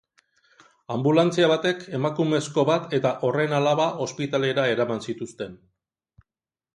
Anbulantzia batek emakumezko bat eta horren alaba ospitalera eraman zituzten.